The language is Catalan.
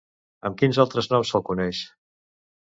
Amb quins altres noms se'l coneix?